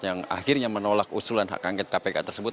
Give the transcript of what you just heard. yang akhirnya menolak usulan hak angket kpk tersebut